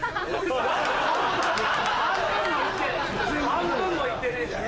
半分もいってねえじゃん。